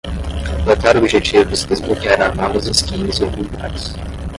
Completar objetivos desbloqueará novas skins e habilidades.